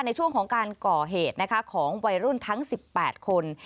ในช่วงของการก่อเหตุของวัยรุ่นทั้ง๑๘คน